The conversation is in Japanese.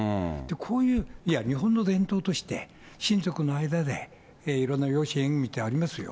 こういう、日本の伝統として、親族の間でいろんな養子縁組ってありますよ。